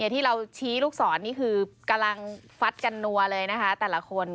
ที่เราชี้ลูกศรนี่คือกำลังฟัดกันนัวเลยนะคะแต่ละคน